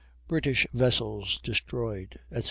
BRITISH VESSELS DESTROYED, ETC.